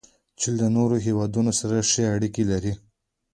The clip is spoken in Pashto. چین له نورو هیوادونو سره ښې اړیکې لري.